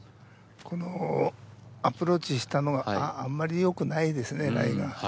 このアプローチしたのあんまりよくないです狙いが。